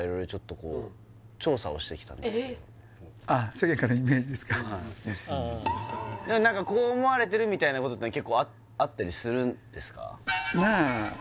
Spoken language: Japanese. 世間からのイメージですか何かこう思われてるみたいなことって結構あったりするんですか？